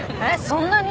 そんなに？